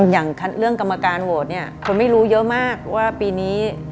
อย่างเรื่องกรรมการโหวตเนี่ยคนไม่รู้เยอะมากว่าปีนี้